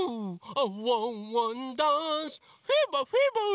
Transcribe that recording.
ワンワンダンスフィーバーフィーバー！